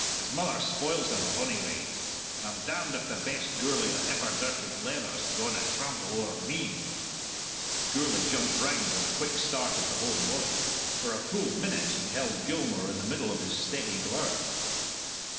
"His mother spoils him, at ony rate. And I'm damned if the best Gourlay that ever dirtied leather's gaun to trample owre me." Gourlay jumped round with a quick start of the whole body. For a full minute he held Gilmour in the middle of his steady glower.